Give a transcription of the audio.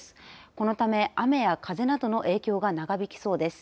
このため雨や風などの影響が長引きそうです。